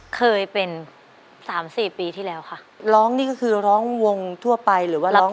เคยเป็นสามสี่ปีที่แล้วค่ะร้องนี่ก็คือร้องวงทั่วไปหรือว่าร้อง